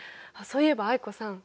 そういえば藍子さん